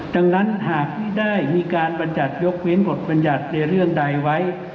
ดังนั้นหากที่ได้มีการบรรยัติยกเว้นบทบรรยัติในเรื่องใดไว้